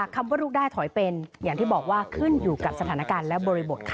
ขอบคุณครับ